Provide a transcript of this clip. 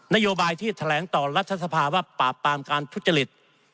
นโยบายที่แถลงต่อรัฐสภาว่าปราบปรามการทุจริต